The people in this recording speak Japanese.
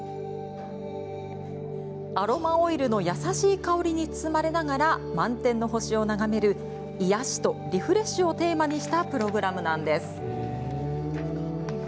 アロマオイルの優しい香りに包まれながら満天の星を眺める癒やしとリフレッシュをテーマにしたプログラムなんです。